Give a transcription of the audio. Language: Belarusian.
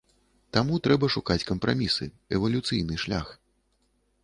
Таму трэба шукаць кампрамісы, эвалюцыйны шлях.